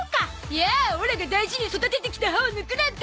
いやオラが大事に育ててきた歯を抜くなんて！